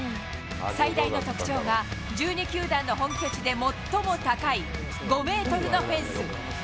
最大の特徴が、１２球団の本拠地で最も高い５メートルのフェンス。